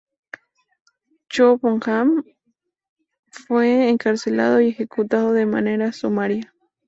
Cho Bong-am fue encarcelado y ejecutado de manera sumaria.